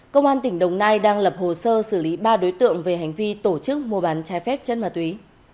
công an tỉnh đồng nai đang lập hồ sơ xử lý ba đối tượng về hành vi tổ chức mua bán trái phép chất ma túy